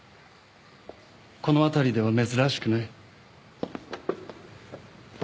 この辺りでは珍しくない。